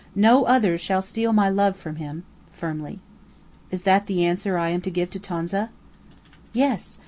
No other shall steal my love from him," firmly. "Is that the answer I am to give Tonza?" "Yes.